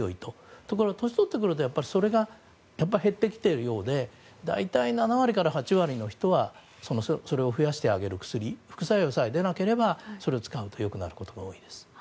ところが、年を取ってくるとそれが減ってきているようで大体７割から８割の人はそれを増やしてあげる薬副作用さえ出なければそれを使うと良くなることが多いです。